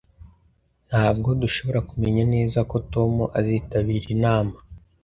Ntabwo dushobora kumenya neza ko Tom azitabira inama